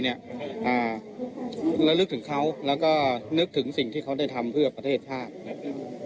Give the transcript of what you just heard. แล้วนึกถึงเขาแล้วก็นึกถึงสิ่งที่เขาได้ทำเพื่อประเทศชาตินะครับ